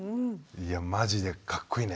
いやマジでかっこいいね。